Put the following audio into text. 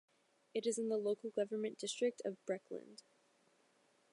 It is in the local government district of Breckland.